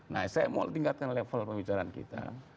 nah saya mau tingkatkan level pembicaraan kita